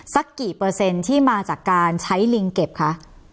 สักกี่เปอร์เซ็นต์ที่มาจากการใช้ลิงเก็บคะ